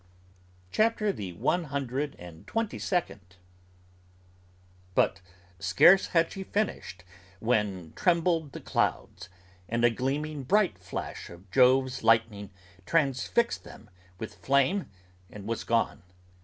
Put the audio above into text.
'" CHAPTER THE ONE HUNDRED AND TWENTY SECOND. "But scarce had she finished, when trembled the clouds; and a gleaming Bright flash of Jove's lightning transfixed them with flame and was gone.